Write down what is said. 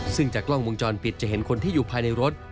ซึ่งจากกล้องวงจรปิดจะเห็นคนที่อยู่ภายในรถ